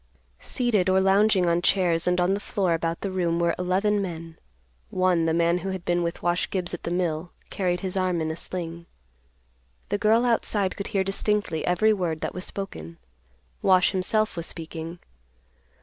Seated or lounging on chairs and on the floor about the room were eleven men; one, the man who had been with Wash Gibbs at the mill, carried his arm in a sling. The girl outside could hear distinctly every word that was spoken. Wash, himself, was speaking.